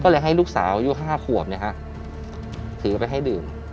ก็เลยให้ลูกสาวอายุคราควมเนี้ยฮะถือไปให้ดื่ม